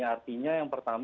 artinya yang pertama